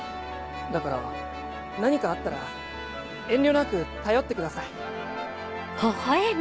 だから何かあったら遠慮なく頼ってください。